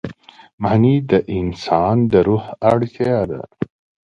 معنی د انسان د روح اړتیا ده.